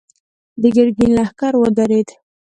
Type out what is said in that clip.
د ګرګين لښکر ودرېد.